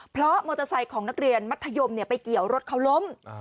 เพราะมอเตอร์ไซค์ของนักเรียนมัธยมไปเกี่ยวรถเขาล้ม